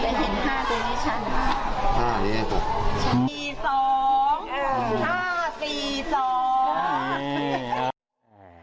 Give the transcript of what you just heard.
เลขห้าอ่าใช่เลขห้าห้าห้าสี่สองห้าสี่สองอ่า